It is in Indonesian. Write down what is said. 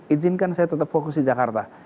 ijinkan saya tetap fokus di jakarta